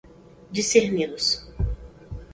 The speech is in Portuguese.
discerni-los